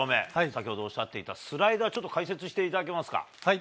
先ほどおっしゃっていた、スライダーをちょっと解説していただけますか。